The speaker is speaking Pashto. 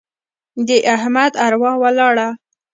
د احمد اروا ولاړه.